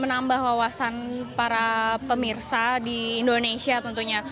menambah wawasan para pemirsa di indonesia tentunya